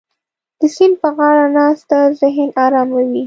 د سیند په غاړه ناسته ذهن اراموي.